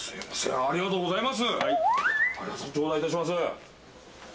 ありがとうございます。